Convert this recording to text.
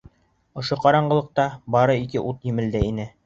Ошо ҡараңғылыҡта бары ике ут емелдәй ине.